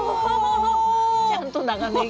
ちゃんと長ネギ。